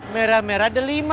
merah merah ada lima